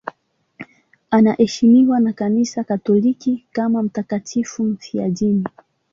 Anaheshimiwa na Kanisa Katoliki kama mtakatifu mfiadini.